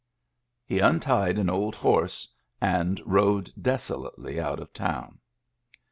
He untied an old horse and rode desolately out of town.